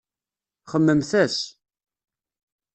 Xemmememt-as.